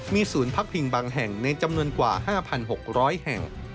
มีศูนย์พักพิงบางแห่งในจำนวนกว่า๕๖๐๐แห่ง